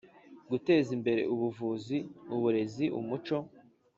Guteza imbere ubuvuzi uburezi umuco